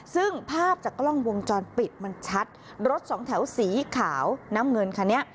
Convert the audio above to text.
ซึ่งภาพจากกล้องวงจรปิดมันชัดรถสองแถวสีขาวน้ำเงินคันนี้